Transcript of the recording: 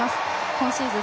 今シーズン